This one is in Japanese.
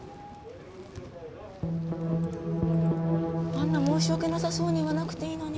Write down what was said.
あんな申し訳なさそうに言わなくていいのに。